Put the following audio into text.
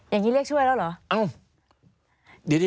อย่างนี้เรียกช่วยแล้วเหรอ